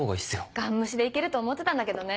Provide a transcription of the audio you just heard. ガン無視で行けると思ってたんだけどね